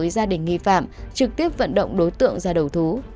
với gia đình nghi phạm trực tiếp vận động đối tượng ra đầu thú